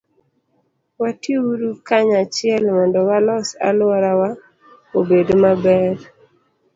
Watiuru kanyachiel mondo walos alworawa obed maber.